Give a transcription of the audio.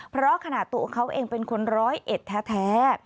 เพราะขณะตัวเขาเองเป็นคนร้อยเอ็ดแท้